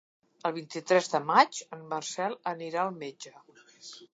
El vint-i-tres de maig en Marcel anirà al metge.